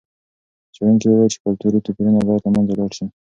څېړونکي وویل چې کلتوري توپیرونه باید له منځه ولاړ سي.